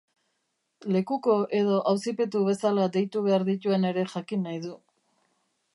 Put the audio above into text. Lekuko edo auzipetu bezala deitu behar dituen ere jakin nahi du.